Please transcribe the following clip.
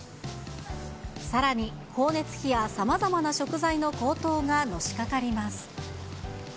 さらに光熱費やさまざまな食材の高騰がのしかかります。